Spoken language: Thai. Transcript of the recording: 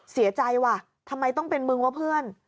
เสียใจว่ะทำไมต้องเป็นมึงว่าเพื่อน